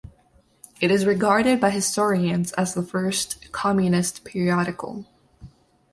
It is regarded by historians as the first communist periodical.